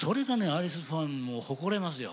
アリスファンを誇れますよ。